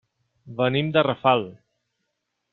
Venim de Rafal.